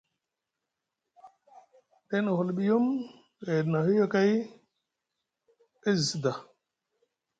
Day na hulɓiyum gayɗi na hoyokay e zi sda.